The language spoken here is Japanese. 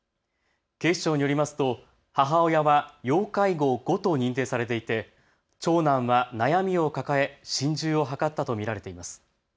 警視庁によりますと母親は要介護５と認定されていて長男は悩みを抱え心中を図ったと見られています。